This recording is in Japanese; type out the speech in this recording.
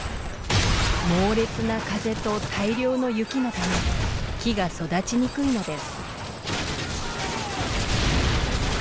猛烈な風と大量の雪のため木が育ちにくいのです。